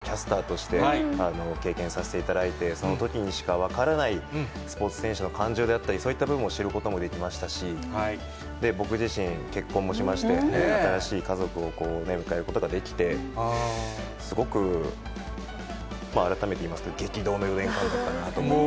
最初の２年間は、なかなかスポーツが少し止まってしまう瞬間もあったんですけど、そんな中、オリンピックキャスターとして経験させていただいて、そのときにしか分からない、スポーツ選手の感情であったり、そういった部分を知ることもできましたし、僕自身、結婚もしまして、新しい家族をこうね、迎えることができて、すごく改めて言いますけど、激動の４年間だったなと思います。